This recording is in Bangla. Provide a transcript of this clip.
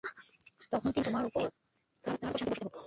তখন তিনি বললেন, "তোমার উপর ও তার উপর শান্তি বর্ষিত হোক।"